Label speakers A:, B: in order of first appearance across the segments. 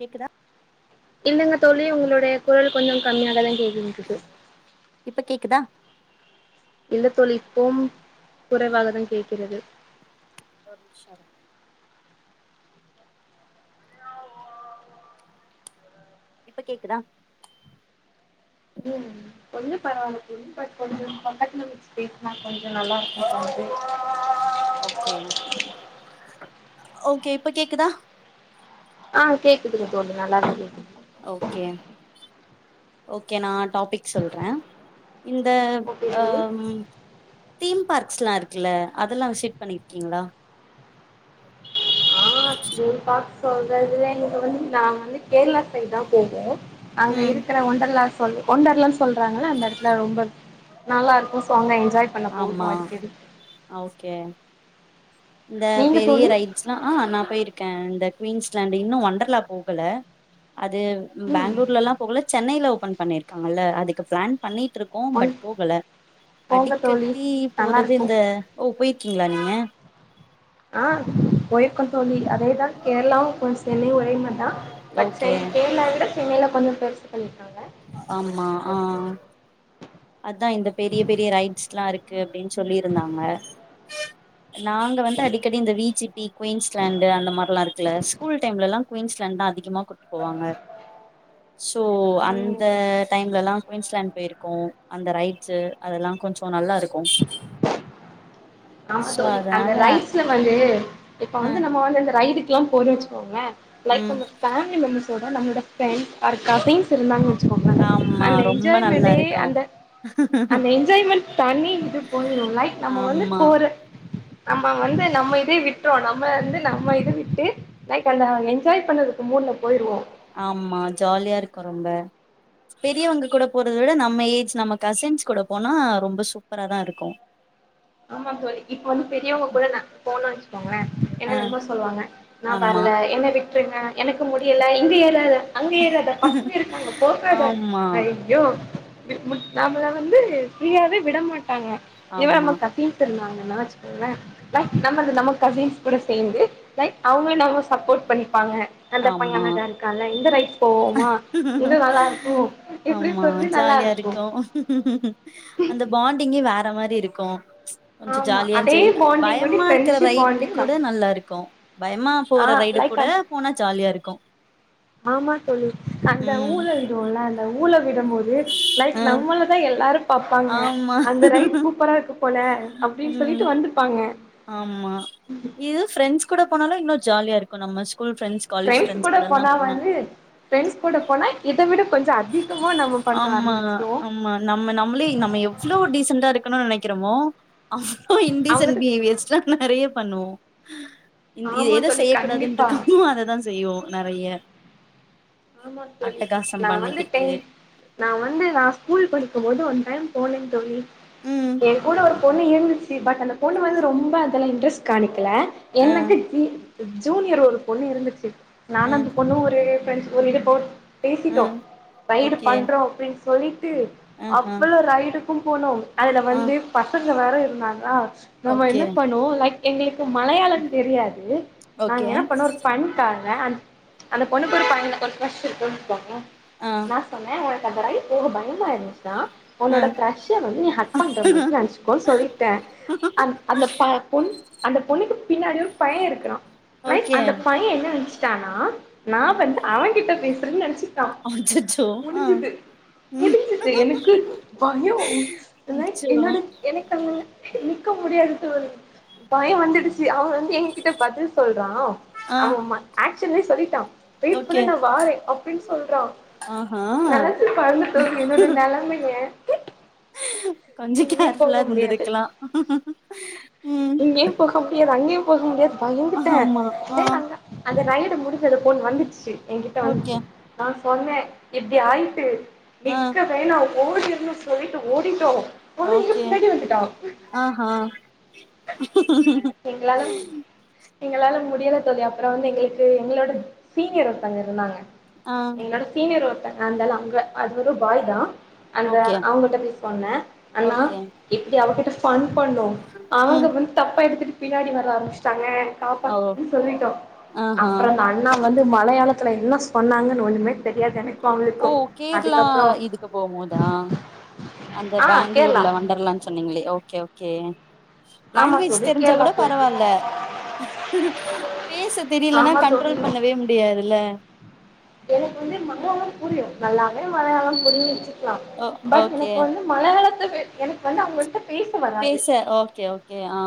A: கேக்குதா
B: இல்லங்க தோழி உங்களுடைய குரல் கொஞ்சோ கம்மியாகதா கேக்குதுங்கிட்டு
A: இப்ப கேக்குதா
B: இல்ல தோழி இப்போவும் குறைவாகதா கேக்கிறது
A: ஒரு நிம்ஷோ இருங்க இப்போ கேக்குதா
B: கொஞ்சோ பரவால்ல தோழி பட் கொஞ்சோ பக்கத்துல வெச்சு பேஸ்னா கொஞ்சோ நல்லாருக்குன் தோணுது
A: ஓகேவா ஓகே இப்ப கேக்குதா
B: ஆ கேக்குதுங்க தோழி நல்லாவே கேக்குது
A: ஓகே ஓகே நா டாபிக் சொல்ற இந்த
B: ஓகே தோழி
A: அம் தீம் பார்க்ஸ் எல்லா இருக்குல்ல அதெல்லா விசிட் பண்ணிருக்கீங்களா
B: தீம் பார்க் சொல்றதுல வந்து நா வந்து கேர்ளா சைடுதா போயிருக்க அங்க
A: ம்
B: இருக்குற ஒண்டர்லாஸ் ஒண்ணு ஒண்டர்லான் சொல்றாங்கள அந்த எடத்துல ரொம்ப நல்லா இருக்கு சோ அங்க இங் ஜாய் பண்ண போவோ
A: ஆமா
B: அடிக்கடி
A: ஓகே இந்த
B: நீங்க
A: பெரிய
B: தோழி
A: ரைட்ஸ் எல்லா ஆ நா போயிருக் க இந்த குயின்ஸ்லேண்டிங் இன்னு வொண்டர்லா போகல அது
B: ம்
A: பேங்ளூர்ல எல்லா போகல சென்னைல ஓப்பன் பண்ணிருக்காங்கல்ல அதுக்கு பிளான் பண்ணி ட்ருக்கோ
B: ஒன்
A: பட் போகல
B: போங்க
A: அடிக்
B: தோழி
A: கட்டி
B: நல்லா
A: போறது
B: இருக்கும்
A: இந்த ஓ போய் இருக்கீங்களா நீங்க
B: ஆ போயிருக்கோ தோழி அதேதா கேரளாவு கொஞ்ச சென்னையு ஒரே மாரிதா பட்
A: ஓகே
B: சென்னை கேர்ளா விட சென்னைல்ல கொஞ்சம் [unintelligible]
A: ஆமா ஆ அதா இந்த பெரிய பெரிய ரைட்ஸ்ல்லா இருக்கு அப்டின் சொல்லிருந்தாங்க
B: ஆமா
A: நாங்க வந்து
B: தோழி
A: அடிக்கடி இந்த வீ ஜீ பி குயின்ஸ்லேண்டு அந்த மாரிலா இருக் குள ஸ்கூல் டைம்ல எல்லா குயின்ஸ்லேண்டுதா அதிகமா கூட்டு போவாங்க சோ அந்த
B: ம்
A: டைம்ல எல்லா குயின்ஸ்லேண்டு போயிருக்கோ அந்த ரைட்ஸு அதல்லா கொஞ்சௌ நல்லா இருக்கு சோ
B: சேரி அந்த
A: அதனால
B: ரைட்ஸ்ல வந்து இப்ப
A: அ
B: வந்து நம்ம வந்து இந்த ர வயிறுக்குல்லாம் போர்வ வெச்சுக்குவாங்கள லைக்
A: ம்
B: நம்ம ஃபேமிலி மெம்பர்ஸ் தோட நம்லோட ஃப்ரெண்ட்ஸ் ஆர் கசின்ஸ் இருந்தாங்க வெச்சுக்கோங்ளே
A: ஆமா
B: அந்த
A: ரொம்ப நல்லா
B: என்ஜாய்மெண்டே
A: இருக்கு
B: அந்த அந்த என்ஜாய்மெண்ட் தண்ணி இது போயிடும்ல லைக் நம்ம வந்து
A: ஆமா
B: போற நம்ம வந்து நம்ம இதே விட்றோ நம்ம வந்து நம்ம இது விட்டு லைக் அந்த அவங்க என்ஜாய் பண்ணறதுக்கு மூடுல போயிருவோ
A: ஆமா ஜாலியா இருக்கு ரொம்ப பெரியவங்க கூட போறத விட நம்ம ஏஜ் நம்ம கசின்ஸ் கூட போனா ரொம்ப சூப்பராதா இருக்கு
B: ஆமாம் தோழி இப்ப வந்து பெரியவங்க கூட நா போணா வெச்சு கோங்களே என்ன
A: அ
B: தெர்மா சொல்லுவாங்க நா
A: ஆமா
B: வர்ல என்ன விட் ருங்க எனக்கு முடியல இது ஏதாத அங்க ஏறாத பசங்க இருக்காங்க போகாத
A: ஆமா
B: ஐயோ நம்மள வந்து ஃப்ரீயாவே விட மாட் டாங்க இவ
A: ஆமா
B: [unintelligible] [unintelligible] இருந்தாங்கனா வச்சுகோங்களே நம் நம்ம நம்ம கசின்ஸ் கூட சேர்ந்து ரைட் அவங்க நம்மள சப்போட் பண்ணிப்பாங்க அந்த பைய
A: ஆமா
B: அழகா இருக்கான்ல இந்த ரைட்ஸ் போவோமா இங்க நல்லா இருக்கு இப்டி
A: ஆமா
B: சொல்லி நல்லா
A: ஜாலியா இருக்கு அந்த பாண்டிங்க வே றமாரி இருக்கு ச் கொஞ்ச
B: ஆமா
A: ஜாலியா
B: அதே
A: என்ஜாய்மென்டா
B: பாண்டிங் வந்து
A: பயமா இருக்கிற
B: ஃப்ரெண்ட்ஷிப்
A: ரைட்டு கூட
B: பாண்டிங்
A: நல்லாருக்கு பயமா
B: ஆ
A: போற ரைடு
B: லைக்
A: கூட
B: அந்
A: லியாருக்கு
B: ஆமா தோழி அந்த ஊல விடுவோல அந்த ஊல விடம்போது லைக்
A: அ
B: நம்மள தா எல்லாரு பாப்பாங்க
A: ஆமா
B: அந்த ரைட் சூப்பரா இருக்கு போல அப்டினு
A: ம்
B: சொல்ட்டு வந்துப்பாங்க
A: ஆமா இது ஃப்ரெண்ஸ் கூட போனாலு இன்னு ஜாலியா இருக்கு நம்ம school friends college
B: friends
A: friends
B: கூட
A: கூடல்லா போனா
B: வந்து ஃப்ரெண்ட்ஸ் கூட போனா இத விட கொஞ்ச அதிகமா நம்ம பண்ண
A: ஆமா
B: ஆரம்பிச்சிருவோ
A: ஆமா நம்ம நம்ளே நம்ம எவ்ளோ டீஸன்டா இருக்கனூனு நெனக் கிறமோ அவலோ இன்டீஸன்ட்
B: அவங்களுக்கு
A: பிஹேவியர் நெறையா பண்ணுவோ இது
B: ஆமா
A: எத
B: தோழி
A: செய்யக்கூடாதுனு
B: கண்டிப்பா
A: இருக்கமோ அத தா செய்வோ நெறைய
B: ஆமா தோழி
A: அட்டகாசம்
B: நா வந்து
A: பண்ணிக்கிட்டு,
B: டென்த் நா வந்து நா ஸ்கூல் படிக்கும் போது ஒன் டைம் போனே தோழி
A: ம்,
B: ஏ கூட ஒரு பொண்ணு இருந்துச்சு பட் அந்த பொண்ணு வந்து ரொம்ப அதுல இன்ட்ரெஸ்ட் காணி கீல
A: ஆ,
B: எனக்கு இ ஜூனியர் ஒரு ஒரு பொண்ணு இருந்துச்சு
A: ஆ,
B: நானு அந்த பொண்ணு ஒரு ஃப்ரெண்ஸ் இருப்போ
A: ஆ,
B: பேசிட்டோ ஃபயரு
A: ஓகே,
B: பண்றோ அப்டினு தோழி ட்டு
A: ஆஹா,
B: அவ்வளோ ரைடு க்கும் போனோ அதுல
A: ஆ,
B: வந்து பசங் ங்க வேற இருந்தாங்களா நம்ம
A: ஓகே,
B: என்ன பண்ணுவோ லைக் எங்குளுக் இப்போ மலையாளந் தெரியாது நாங்க
A: ஓகே,
B: என்ன பண்ணோ ஒரு ஃபண்க்காக ன அந்அந்த பொண்ணுக்கொரு பண்ண ஒரு கிரஷ் இருக்குன் வாங்க
A: ஆ,
B: நா சொன்ன உன் அந்த ரைட் போவ பயமா இருந்துச்சு நா
A: ஆ.
B: உன்னோட கிரஷ்ச உன்னைய ஹக் பண்ற மாரி நெனச்சுக்கோன் சொல்லிட்ட அந் அந்த ப பொண் அந்த பொண்ணுக்கு பின்னாடி ஒரு பைய இருக்குறா லைக்
A: ஓகே.
B: அந்த பைய என்ன நெனச்சு சானா நா அவ கிட்ட பேசுறன் நெனச்சுட்டா
A: அச்சச்சோ! ஆ,
B: முடுஞ்சுது
A: ம்.
B: முடுஞ்சுது எனக்கு பயோ
A: அச்சோ!
B: என்னோட என்ணக்க நிக்க முடியாது பயோ வந்துடுச்சு சு அவ வந்து எங்க கிட்ட பதில் சொல்றா
A: ஆ,
B: அவ ம அ சின்னே சொல்லிட்டா வெயிட் பண்ணு
A: ஓகே,
B: நா வாரே அப்டின் சொல்றா
A: ஆஹா.
B: நெனச்சு பாருங்க என்னோட நெலமைய
A: கொஞ்ச
B: இங்கயு போக
A: கேர்புல்லா
B: முடியாது
A: இருந்துருக்குலா ம்
B: இங்கயு போக முடியாது அங்கயு போக முடியாது பயந்துட்ட
A: ஆமா ஆ
B: டேய் அங்க அந்த ரைடு முடிஞ்சது போன் வந்துச்சு சு எங்கிட்ட வந்
A: ஓகே
B: தாஸ் பொன்ன எப்டி ஆயிட்டு
A: ஆ
B: விக்க பேய் நாவ் ஓடிருன்னு சொல்லிட்டு ஓடிட்டோ ஆனா எங்க
A: ஓகே
B: பின்னாடி வந்துட்டா
A: ஆஆ
B: எங்களால எங்களால முடியல தோழி அப்புறோ வந்து எங்குளுக்கு எங்களோட சீனியர் ஒருத்தங்க இருந்தாங்க
A: ஆ
B: என்னோட சீனியர் ஒரு அ இருந்தாலு அங்க அது ஒரு பாய்தா அந்த
A: ஓகே
B: அவங்ககிட்ட போய் சொன்னே அண்ணா
A: ஓகே
B: இப்டி அவகிட்ட ஃபன் பண்ணோ ஆனா அவங்க
A: ம்
B: வந்து தப்பா எடுத்துட்டு பின்னாடி வர ஆரம்பிச்சிட்டாங்க
A: ஓ
B: காப்பாத்துங்கன்னு சொல்லிட்டோ
A: ஆஹா
B: அப்புறோ அந்த அண்ணா வந்து மலையாளத்துல என்ன சொன்னாங்கன்னு ஒண்ணுமே தெரியாது எனக்
A: ஓ கேரளா இதுக்கு போகும் போதா அந்த
B: ஆ கேரளா
A: பேங்களூர்ல வொண்டர்லான்னு சொன்னீங்களே ஓகே ஓ கே
B: ஆமா
A: லாங்குவேஜ்
B: தோழி
A: தெரிஞ்சா
B: கேரளா
A: கூட
B: போயிருந்தோ
A: பரவால்ல பேச தெரியலனா
B: ஆமா
A: கண்ட்ரோல்
B: தோழி
A: பண்ணவே முடியாதுல்ல
B: எனக்கு வந்து மல நல்லாவே மலையாளோ புரிஞ்சிக் கலா
A: ஓ
B: பட்
A: ஓகே
B: எனக்கு வந்து மலையாளத்த எனக்கு வந்து அவங்கள்ட்ட பேச வராது
A: பேச ஓகே ஓகே ஆ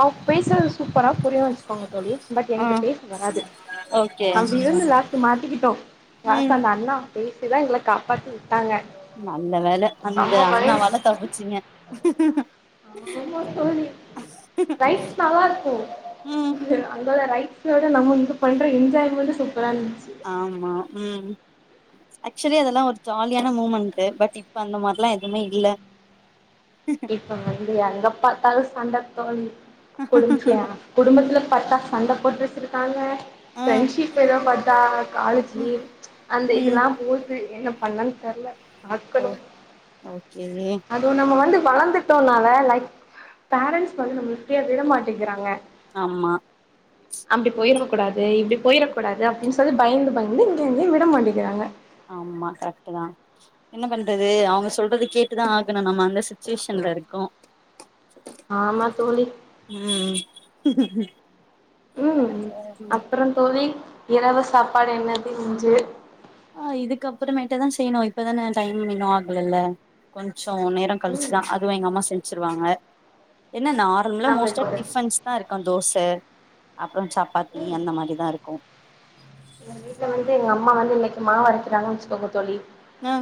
B: அவங்க பேசுறது சூப்பரா புரியு வச்சுக்கோங்க தோழி பட்
A: ஆ
B: எங்களுக்கு பேச வராது
A: ஓகே
B: அப்டி இருந்து லாஸ்ட்ல மாட்டிக்கிட்டோ
A: ம்
B: லாஸ்ட்ல அந்த அண்ணா பே சிதான் எங்கள காப்பாத்தி விட்டாங்க
A: நல்ல வேள அந்த
B: செம்ம பயம்
A: அண்ணாவால தப்பிச்சீங்க.
B: ஆமா தோழி ரைட்ஸ் நல்லா இருக்கு
A: ம்
B: அதோட ரைட்ஸ விட நம்ம இது பண்ற என்ஜாய்மெண்ட்டு சூ
A: ஆமா ம் ஆக்சுவலி அதெல்லா ஒரு ஜாலியான மூமெண்ட்டு பட் இப்ப அந்த மாரெல்லா எதுமே இல்ல
B: இப்ப வந்து எங்க பாத்தாலும் சண்ட தோழி [unintelligible] குடும்பத்துல பாத்தா சண்ட போட்டுட்ருக்காங்க
A: ஆ
B: ஃப்ரெண்ட்ஷிப்பினு பாத்தா
A: ம்
B: காலேஜ்லயே அந்த
A: ம்
B: இதெல்லா போது என்ன பண்ணன்னு தெர்ல
A: ஓ
B: ஆட்களு
A: ஓகே
B: அதுவு நம்ம வந்து வளந்துட்டோன்னால லைக் பேரண்ட்ஸ் வந்து நம்ம ஃபிரீயா விட மாட்டேங்கிறாங்க
A: ஆமா
B: அப்டி போயிரக்க கூடாது இப்டி போயிறக்கூடாது அப்டின்னு சொல்லி பயந்து பயந்து இங்கே எங்கயு விட மாட்டேங்கிறாங்க.
A: ஆமா கரெக்ட்தா என்ன பண்றது அவங்க சொல்றத கேட்டுதா ஆகணு நம்ம அந்த சிச்சுவேஷன்ல இருக்கோ
B: ஆமா தோழி
A: ம்
B: ம் அப்புறம் தோழி இரவு சாப்பாடு என்னது இன்று
A: ஆ இதுக்கப்புறமேட்டுதா செய்யணு இப்பதான டைம் இன்னு ஆகலல்ல கொஞ் சோ நேரோ
B: ம்
A: கழுச்சுதா அதுவு எங்க அம்மா செல் வெச்சுருவாங்க என்ன நார்மலா மோஸ்ட்டா
B: நம்மளுக்கு ஒரு
A: டிஃபன்ஸ்தா இருக்குன் தோச அப் அப்புறம் சப்பாத்தி அந்த மாரிதா இருக்கு
B: எங்க வீட்ல வந்து எங்க அம்மா வந்து இன்னைக்கு மாவரைக்குறாங்கன் வெச்சுக்கோங்க தோழி
A: ஆ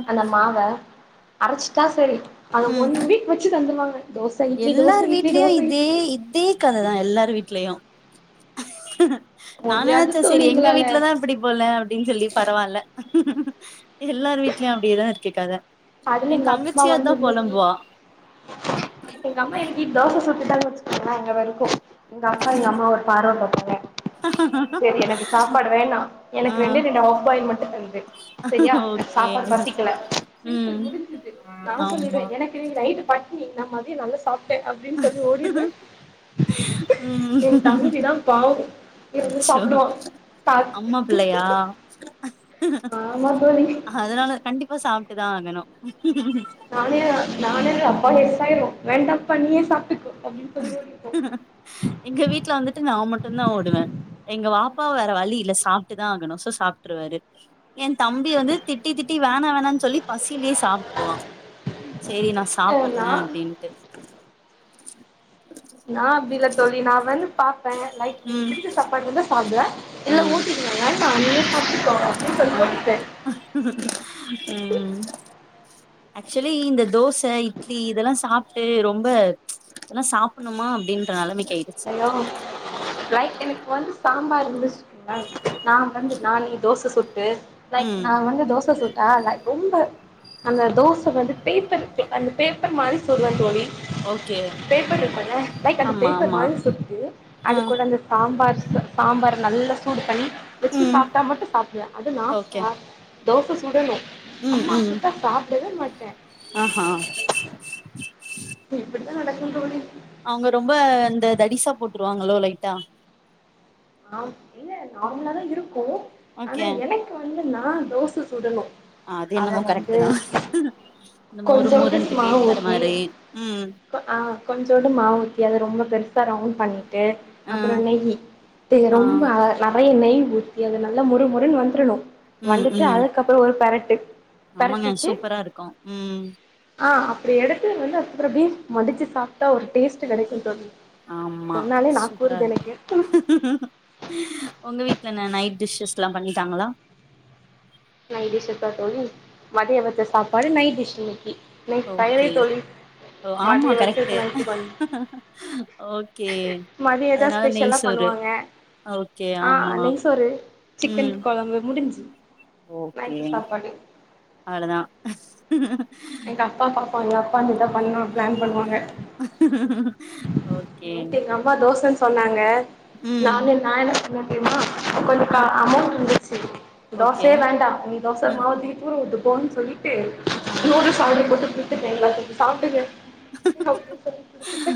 B: அரச்சுட்டா சேரி அத
A: ம்
B: ஒன் வீக் வெச்சு தந்துருவாங்க தோச இட்லி தோச
A: எல்லார்
B: இட்லி
A: வீட்லயு
B: தோச
A: இதே
B: இட்லி
A: இதே கததா எல்லார் வீட்லயு [unintelligible] நா
B: முடியாது
A: நெனச்ச
B: தோழி
A: செரி எங்க
B: எங்களால
A: வீட்லதா இப்புடி போல அப்டின் சொல்லி பரவால்ல எல்லார் வீட்லயு அப்டியேதா இருக்கு கத
B: அதுல
A: எ
B: எங்க அம்மா
A: தங்கச்சியு
B: வந்து
A: அதா
B: இன்னிக்கு
A: பொலம்புவா
B: எங்க அம்மா இன்னிக்கு தோச சுட்டுட்டாங்க வெச்சுக்கோங்ள எங்க வருக்கு எங்க அப்பா எங்க அம்மாவ ஒரு பார்வ பாப்பாங்க ங்க செரி எனக்கு சாப்பாடு வேணா
A: ஆ
B: எனக்கு ரெண்டே ரெண்டு ஆஃபாயில் மட்டு தந்துடு சேரியா
A: ஓகே
B: சாப்பாடு பசிக்கல சிம்புள்
A: ம்
B: முடுஞ்சுது நா சொல்லிடுவே
A: ஆமா
B: எனக்கு நீ ரைட்டு பட் னிதா நம்ம அதே நல்லா சாப் ட அப்டின் சொல்லி ஓடிடுவ
A: ம்
B: தம்பிதா பாவோ இருந்து
A: அச்சோ
B: சாப்புடுவா த
A: அம்மா பிள்ளையா அதனால கண்டிப் அப்போ சாப்டுதா ஆகணு ம்
B: நானு நானு எங்க அப்பா எஸ்சாயிருவோ வேண்டாப்பா நீயே சாப்டுக்கோ
A: எங்க வீட்ல வந்துட்டு நா மட்டுந்தா ஓடுவ எங்க வாப்பா வேற வழி இல்ல சாப்புட்டுதா ஆகணு சோ சாப்புட்டுருவாரு எந் தம்பி வந்து திட்டி திட்டி வேண வே ணான் சொல்லி பசிலயே சாப்புட்டுருவா சேரி நா
B: அ
A: சாப்புற
B: நா
A: அப்டின்ட்டு
B: நா அப்டில்ல தோழி நா வந்து பாப்ப லைக்
A: ம்
B: பிடிச்ச சப்பாடு வந்தா சாப்புடுவ இல்ல ஊட்டி விடுவாங்க
A: அ உ ஆக்ச்வலி இந்த தோஸ் ஸ இட்லி இதெல்லா சாப் ட்டு ரொம்ப ச் இதல்லா சாப்டணுமா அப்டீன்ற நெலமக்கி
B: ஹய்யோ லைட் எனக்கு வந்து சாம்பாரு இருந்துசு நல்லாருக்கு நா வந்து நானே தோச சுட்டு கு லைல்
A: ம்
B: நா வந்து தோச சுட்டா லைக் ரொம்ப அந்த தோச வந்து பேப்பர் இருக்குல்லப்பா அந்த பேப்பர் மாரி சுடுவே தோழி
A: ஓகே
B: பேப்பர் இருப்பேல லைக் அந்த பே
A: ஆமா
B: பர்
A: ஆமா
B: மாரி சுட்டு
A: ஆ
B: அது கூட அந்த சாம்பார் ச ச சாம்பார நல்லா சூடு பண்ணி தொட்டு
A: ம்
B: சாப்ட்டா மட்டு சாப்டுவே அது நா
A: ஓகே
B: சாப் தோச சுடணு
A: ம்
B: அம்மா
A: ம்
B: சுட்டா சாப்டவே மாட்டே
A: ஆஹா
B: இப்பிடிதா நடக்கு தோழி
A: அவுங்க ரொம்ப இந்த தடிசா போட்ருவாங்களோ லைட்டா
B: ஆ இல்ல நார்மல தா இருக் கூ ஆனா
A: ஓகே
B: எனக்கு வந்து நா தோச சுடணு
A: அது என்னமோ கரெக்டு தா இந்த மொறு
B: கொஞ்சோன்டுசு
A: மொறுன்ட்டு பேப்பர்
B: மாவூத்தி
A: மாரி ம்
B: ஆ கொஞ்சோன்டு மாவஊத்தி அத ரொம்ப பெ ருஸா ரவுண்ட் பண்ணி ட்டு
A: ஆ
B: அப்பறோ நெய்யி தீய
A: ஆ
B: ரொம்ப நட நெய் நெய் ஊத்தி அது நல்லா மொறு மொருனு வந்துறணு
A: ம்
B: வந்துட்டு
A: ம்
B: அதுக்கப்புறோ ஒரு பெரட் டெ
A: ஆமாங்க சூப்பரா இருக்கு உ [inaudible]
B: ஆ அப்டி எடுத்து வந்து அதுகப்றோ அப்டீ மடிச்சு சாப்ட்டா ஒரு டேஸ்ட்டு கெடைக்கு தோழி
A: ஆமா
B: சொன்னாலே
A: சூப்பரா
B: நாக்கூருது
A: இருக்கு
B: எனக்கு
A: ஒங்க வீட் இங்கன நைட் டிஷ்ஷஸ்லா பண்ணிட்டாங்களா
B: நைட் டிஷ்சுக்கா தோழி மதிய வெச்ச சாப்பாடு நைட் டிஷ் இன்னிக்கி நெய் தயிர்
A: ஓகே
B: தோழி
A: ஓ ஆமா
B: மதிய வெச்சது
A: கரெக்ட்டு
B: நைட்டு பண்
A: ஓகே
B: மதியந்தா
A: அதனால நெய்
B: ஸ்பெஷலா
A: சோறு
B: பண்ணுவாங்க
A: ஓகே
B: ஆ
A: ஆமா
B: நெய்சோறு சிக்கன்
A: ம்
B: கொழம்பு முடுஞ்சுது
A: ஓகே அவ்ளதா [inaudible]
B: எங்க அப்பா பாப்பாங்க அப்பா வந்து இதா பண்ணு பிளான் பண்ணுவாங்க
A: ஓகே
B: நேத்து எங்க அம்மா தோசன்னு சொன்னாங்க
A: ம்
B: நானு நா என்ன பண்ண தெரியுமா கொஞ்ச
A: ஆ
B: கா அமௌவுண்ட்டு ச்சு
A: ஓகே
B: தோசயே வேண்டா நீ தோச
A: ம்
B: மாவ தூக்கி தூற ஊத்து போன் சொல்லிட்டு
A: ஆ
B: நுடுல்ஸ் ஆடர் போட்டு [unintelligible] சாப்டுக்குவ அப்டின் சொல்லி குடுத்துட்டு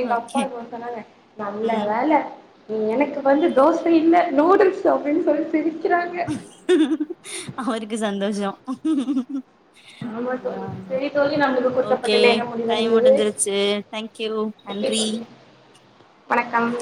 B: எங்க அப்பா
A: ஓகே
B: இன்னொன் சொன்னாங்க நல்ல
A: ம்
B: வேல நீ எனக்கு வந்து தோச இல்ல நூடுல்ஸ் அப்டின் சொல்லி சிரிக்
A: அவுருக்கு சந்தோஷோ
B: ஆமா
A: [inaudible] அதா
B: தோழி
A: அதா
B: சரி தோழி நம்மளுக்கு
A: ஓகே
B: குடுக்கப்பட்ட நேரம்
A: டைம்
B: முடிவடைந்தது
A: முடுஞ்சுருச்சு தேங்க்யூ
B: ஓகே
A: நன்றி
B: தோழி வணக்கம்